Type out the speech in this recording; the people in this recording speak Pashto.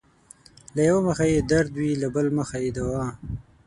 له يؤه مخه يې درد وي له بل مخه يې دوا